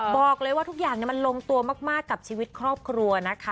บอกเลยว่าทุกอย่างมันลงตัวมากกับชีวิตครอบครัวนะคะ